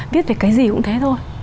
viết về cái gì cũng thế thôi